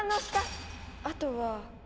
あとは。